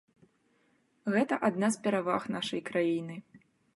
Гэта адна з пераваг нашай краіны.